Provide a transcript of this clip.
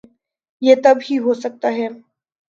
یہ تب ہی ہو سکتا ہے۔